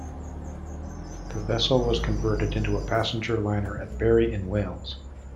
The vessel was converted into a passenger liner at Barry in Wales.